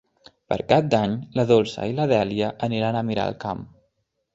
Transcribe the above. Per Cap d'Any na Dolça i na Dèlia aniran a Miralcamp.